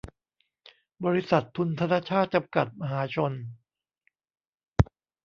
บริษัท ทุนธนชาต จำกัด มหาชน